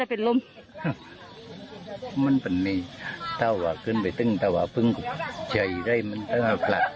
เอออีกคนนึงลงอีกคนนึงไม่จำนานทางเมื่อนั่นน่ะ